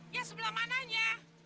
ya sebelah mananya